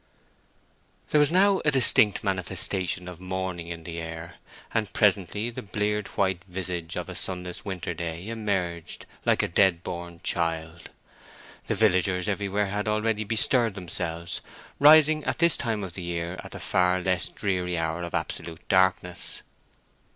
There was now a distinct manifestation of morning in the air, and presently the bleared white visage of a sunless winter day emerged like a dead born child. The villagers everywhere had already bestirred themselves, rising at this time of the year at the far less dreary hour of absolute darkness.